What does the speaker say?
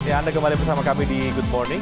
ya anda kembali bersama kami di good morning